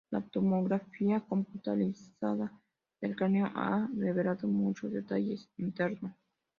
La tomografía computarizada del cráneo ha revelado muchos detalles internos.